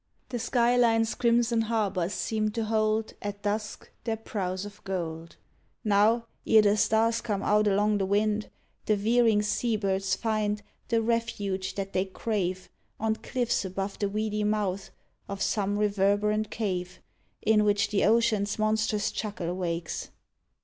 The sky line's crimson harbors seem to hold. At dusk, their prows of gold. Now, ere the stars come out along the wind, The veering sea birds find The refuge that they crave 71 AN ALrjR OF THE WES'T On cliffs above the weedy mouth Of some reverberant cave In which the ocean's monstrous chuckle wakes.